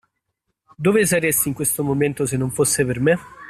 Dove saresti in questo momento se non fosse per me?